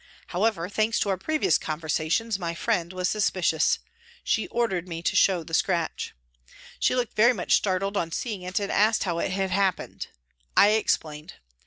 However, thanks to our previous conversations, my friend was suspicious. She 166 PRISONS AND PRISONERS ordered ine to show the scratch. She looked very much startled on seeing it and asked how it had happened. I explained.